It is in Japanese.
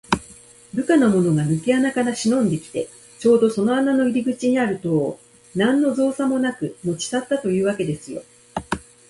部下のものがぬけ穴からしのんできて、ちょうどその穴の入り口にある塔を、なんのぞうさもなく持ちさったというわけですよ。